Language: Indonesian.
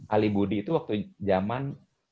ali budi itu waktu jaman